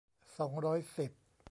สองร้อยสิบ